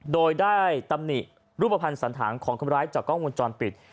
โดยได้ตำหนิรูปภัณฑ์สันธารของคนร้ายจากกล้องวงจรปิด